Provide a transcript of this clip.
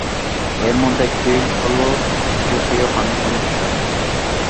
এর মধ্যে একটি হলো সুপেয় পানির সমস্যা।